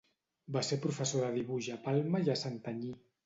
Va ser professor de dibuix a Palma i a Santanyí.